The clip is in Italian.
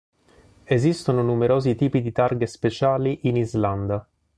Esistono numerosi tipi di targhe speciali in Islanda.